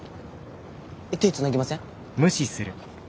えっ手つなぎません？